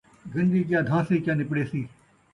گن٘جی کیا دھان٘سی ، کیا نپڑیسی